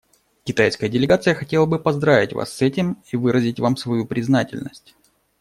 Китайская делегация хотела бы поздравить Вас с этим и выразить Вам свою признательность.